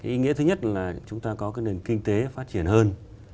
ý nghĩa thứ nhất là chúng ta có cái nền kinh tế phát triển hơn